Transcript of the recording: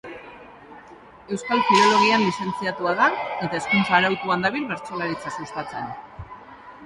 Euskal Filologian lizentziatua da eta hezkuntza arautuan dabil bertsolaritza sustatzen.